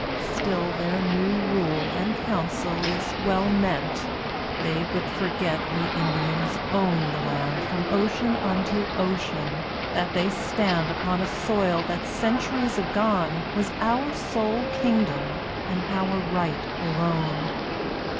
Still their new rule and council is well meant. They but forget we Indians owned the land From ocean unto ocean; that they stand Upon a soil that centuries agone Was our sole kingdom and our right alone.